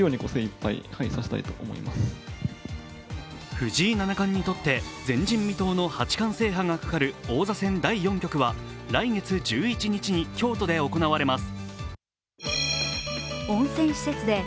藤井七冠にとって前人未到の八冠制覇がかかる王座戦第４局は来月１１日に京都で行われます。